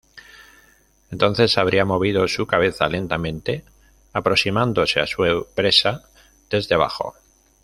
Entonces habría movido su cabeza lentamente aproximándose a su presa desde abajo.